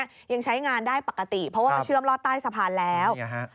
ยังใช้งานได้ปกติเพราะว่ามาเชื่อมลอดใต้สะพานแล้ว